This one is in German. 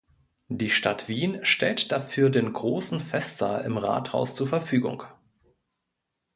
Die Stadt Wien stellt dafür den großen Festsaal im Rathaus zur Verfügung.